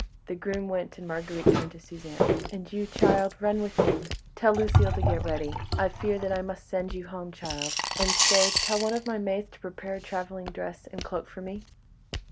The groom went, and Marguerite turned to Suzanne. "And you, child, run within. Tell Lucile to get ready. I fear I must send you home, child. And—stay, tell one of the maids to prepare a travelling dress and cloak for me."